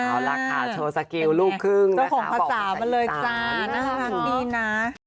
เอาล่ะค่ะโชว์สกิลลูกครึ่งนะคะบอกกันให้ต่างนะครับมีความดีนะ